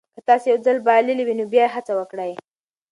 که تاسي یو ځل بایللي نو بیا هڅه وکړئ.